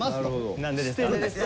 何でですか？